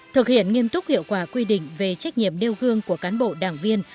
thực hiện nghiêm túc hiệu quả quy định về trách nhiệm đeo gương của cán bộ đảng viên